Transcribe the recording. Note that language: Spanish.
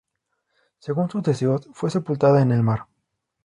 Según sus deseos, fue sepultada en el mar.